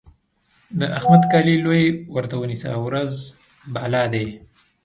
د احمد کالي لوی ورته ونيسه؛ ورځ بالا دی.